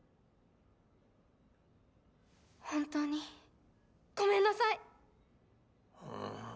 本当にごめんなさい！